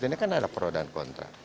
ini kan ada pro dan kontra